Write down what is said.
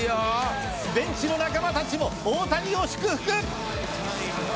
ベンチの仲間たちも大谷を祝福。